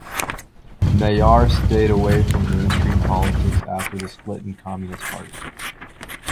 Nayar stayed away from mainstream politics after the split in Communist party.